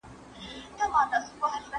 پاس پر ونو ځالګۍ وې د مرغانو